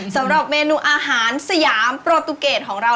สำหรับเมนูอาหารสยามโปรตูเกตของเรา